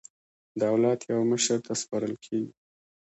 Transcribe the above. دولت یو مشر ته سپارل کېږي.